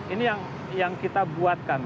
ini yang kita buatkan